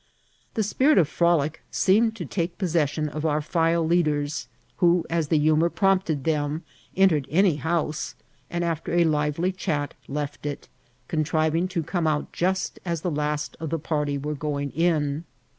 The spirit of frolic seemed to take possession of our file leaders, who, as the humour prompted them, entered any house, and after a lively chat left it, contriving to come out just as the last of the party were going in.